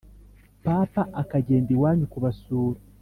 papa akagenda iwanyu kubasura